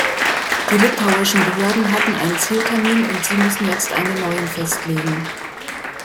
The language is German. Die litauischen Behörden hatten einen Zieltermin und sie müssen jetzt einen neuen festlegen.